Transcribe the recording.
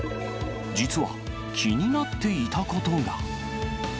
実は気になっていたことが。